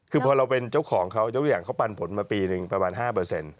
คือพอเราเป็นเจ้าของเขาทุกอย่างเขาปันผลมาปีหนึ่งประมาณ๕